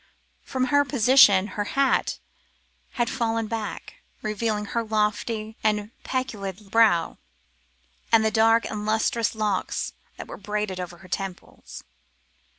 From her position her hat had fallen back, revealing her lofty and pellucid brow, and the dark and lustrous locks that were braided over her temples.